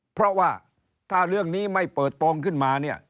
เพราะว่าถ้าเรื่องนี้ไม่เปิดโปรงขึ้นมาเนี่ย